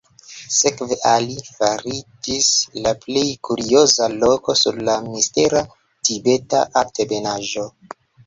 Sekve Ali fariĝis la plej kurioza loko sur la mistera Tibeta Altebenaĵo.